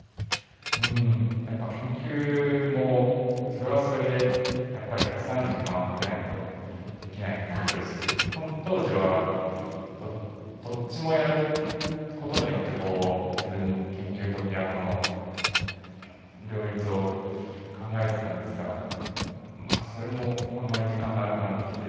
やっぱり研究もそれはそれでやっぱりたくさんの時間をかけないとできない事ですし当時はどっちもやる事によって研究とピアノの両立を考えていたんですがそれもあんまり時間がなくなってきて。